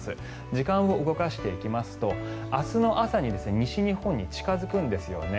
時間を動かしていきますと明日の朝に西日本に近付くんですよね。